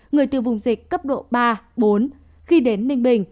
người từ vùng dịch cấp độ ba bốn khi đến ninh bình